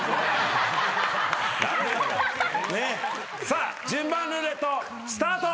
さあ順番ルーレットスタート。